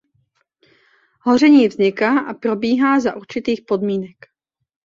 Hoření vzniká a probíhá za určitých podmínek.